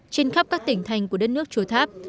trên khắp các tỉnh thành của đất nước chùa tháp